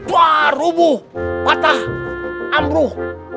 wah rubuh patah amruh